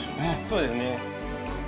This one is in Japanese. そうですね。